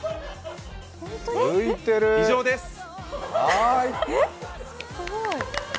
以上です。